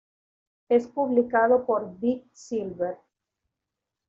Es publicado por Deep Silver.